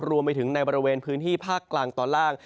รวมไปถึงในบริเวณพื้นที่ภาคกลางตอนล่าง